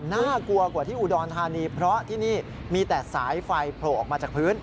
น่ากลัวกว่าที่อุดรธานีเพราะที่นี่มีแต่สายไฟโผล่ออกมาจากพื้น